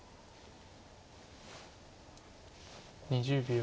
２０秒。